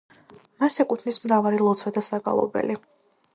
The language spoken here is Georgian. მას ეკუთვნის მრავალი ლოცვა და საგალობელი.